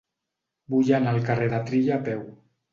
Vull anar al carrer de Trilla a peu.